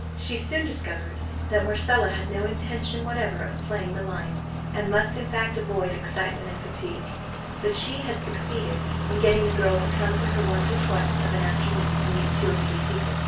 She soon discovered that Marcella had no intention whatever of playing the lion; and must, in fact, avoid excitement and fatigue. But she had succeeded in getting the girl to come to her once or twice of an afternoon to meet two or three people.